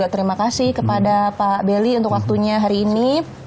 terima kasih kepada pak belly untuk waktunya hari ini